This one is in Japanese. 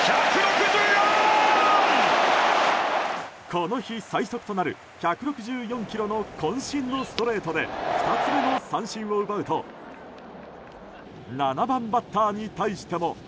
この日最速となる１６４キロの渾身のストレートで２つ目の三振を奪うと７番バッターに対しても。